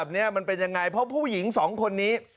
ขี่มอเตอร์ไซค์นะ